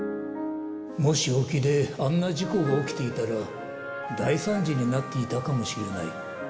もし沖であんな事故が起きていたら、大惨事になっていたかもしれない。